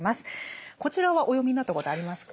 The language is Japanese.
こちらはお読みになったことはありますか？